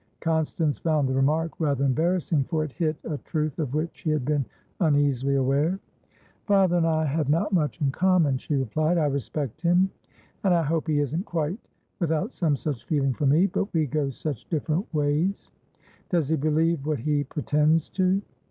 Constance found the remark rather embarrassing, for it hit a truth of which she had been uneasily aware. "Father and I have not much in common," she replied. "I respect him, and I hope he isn't quite without some such feeling for me. But we go such different ways." "Does he believe what he pretends to?"